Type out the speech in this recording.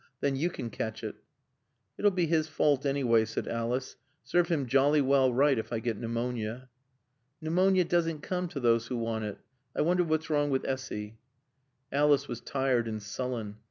Then you can catch it." "It'll be his fault anyway," said Alice. "Serve him jolly well right if I get pneumonia." "Pneumonia doesn't come to those who want it. I wonder what's wrong with Essy." Alice was tired and sullen.